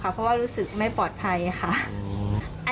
เพราะว่ารู้สึกไม่ปลอดภัยค่ะ